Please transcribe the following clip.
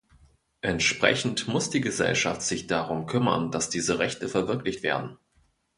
Entsprechend muss die Gesellschaft sich darum kümmern, dass diese Rechte verwirklicht werden.